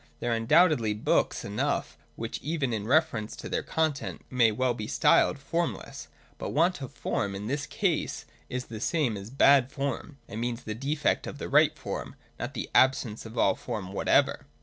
There are undoubtedly books enough which even in reference to their content may well be styled formless : but want of form in this case is the same as bad form, and means the defect of the right form, not the absence of all form whatever.